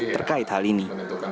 terkait hal ini